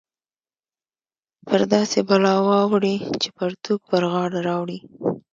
پر داسې بلا واوړې چې پرتوګ پر غاړه راوړې